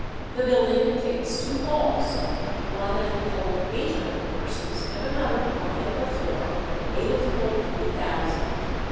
The building contains two halls one that will hold eight hundred persons, and another, on the upper floor, able to hold three thousand.